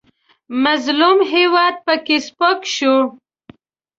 مظلوم هېواد پکې سپک شو.